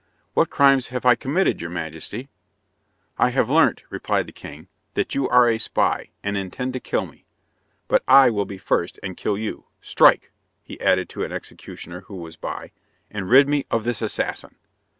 "What crimes have I committed, your majesty?" "I have learnt," replied the king, "that you are a spy, and intend to kill me. But I will be first, and kill you. Strike," he added to an executioner who was by, "and rid me of this assassin."